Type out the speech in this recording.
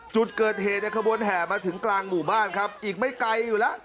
จุดเกิดเหตุในขบวนแห่มาถึงกลางหมู่บ้านครับอีกไม่ไกลอยู่แล้ว